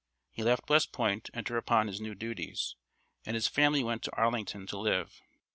He left West Point to enter upon his new duties, and his family went to Arlington to live.